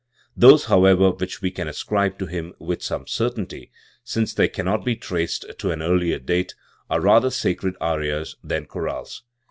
Those, however, which we can ascribe to him. with some certainty, since they cannot be traced to an earlier date, are rather sacred arias than chorales.